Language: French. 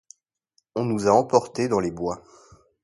On nous a emportées dans les bois.